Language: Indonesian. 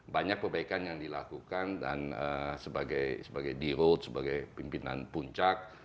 banyak perbaikan yang dilakukan dan sebagai di road sebagai pimpinan puncak